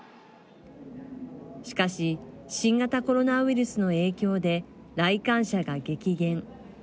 しかし新型コロナウイルスの影響で来館者が激減。